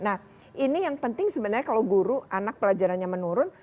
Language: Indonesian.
nah ini yang penting sebenarnya kalau guru anak pelajarannya menurun